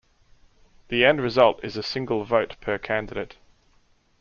The end result is a single vote per candidate.